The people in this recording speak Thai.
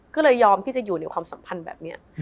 ก็เลยยอมที่จะอยู่ในความสัมพันธ์แบบนี้